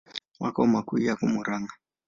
Makao makuu yako Murang'a.